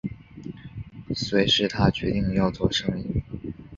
於是他决定要做生意